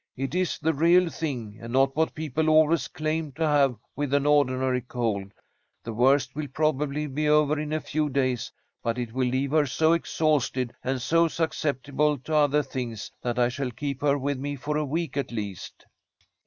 "It is the real thing, and not what people always claim to have with an ordinary cold. The worst will probably be over in a few days, but it will leave her so exhausted and so susceptible to other things that I shall keep her with me for a week at least."